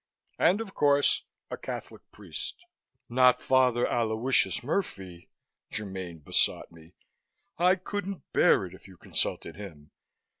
And, of course, a Catholic priest." "Not Father Aloysius Murphy!" Germaine besought me. "I couldn't bear it if you consulted him.